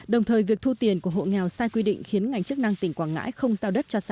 đồng thời việc thu tiền của hộ nghèo sai quy định khiến ngành chức năng tỉnh quảng ngãi không giao đất cho xã